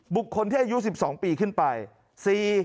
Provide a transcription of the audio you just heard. บุคคลที่อายุ๑๒ปีขึ้นไป